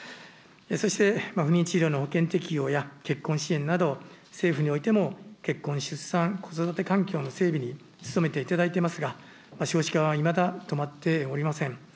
そして、不妊治療の保険適用や、結婚支援など、政府においても結婚、出産、子育て企業の整備に努めていただいていますが、少子化はいまだ止まっておりません。